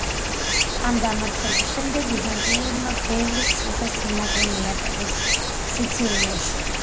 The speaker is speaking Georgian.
ამ დამარცხების შემდეგ, ბიზანტიელებმა ბევრი ციხე-სიმაგრე მიატოვეს სიცილიაში.